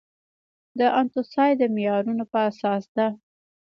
د انتوسای د معیارونو په اساس ده.